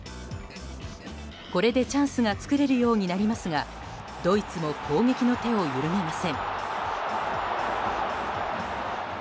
これでチャンスが作れるようになりますがドイツも攻撃の手を緩めません。